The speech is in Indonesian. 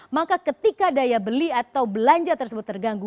maka ketika daya beli atau belanja tersebut terganggu